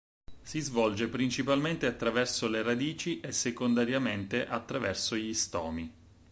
Si svolge principalmente attraverso le radici e secondariamente attraverso gli stomi.